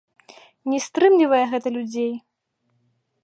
Не стрымлівае гэта людзей!